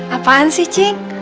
apaan sih cing